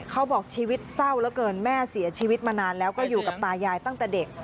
เขาบอกชีวิตเศร้าเหลือเกินแม่เสียชีวิตมานานแล้วก็อยู่กับตายายตั้งแต่เด็ก